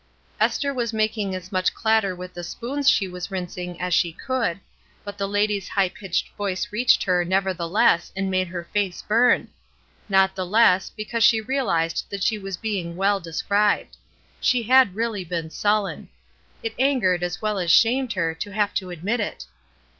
Esther was making as much clatter with the spoons she was rinsing as she could, but the lady's high pitched voice reached her never theless and made her face burn; not the less, because she reaUzed that she was being well described. She had really been sullen. It angered as well as shamed her to have to admit it.